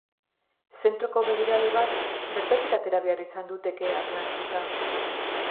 Zentroko begirale bat bertatik atera behar izan dute kea arnastuta.